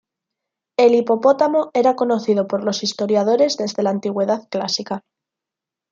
El hipopótamo era conocido por los historiadores desde la Antigüedad clásica.